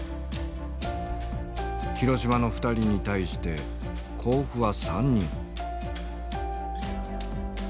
広島の２人に対して甲府は３人。